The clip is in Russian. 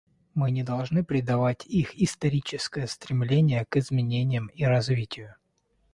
Мы не должны предавать их историческое стремление к изменениям и развитию.